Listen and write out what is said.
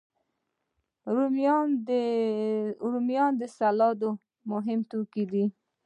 رومیان د سلاد مهم توکي دي